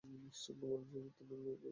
নিঃশঙ্ক মরণজয়ী যোদ্ধার ন্যায় ঘুরতে লাগলেন।